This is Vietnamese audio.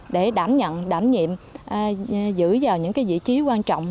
để đảm nhận đảm nhiệm giữ vào những vị trí quan trọng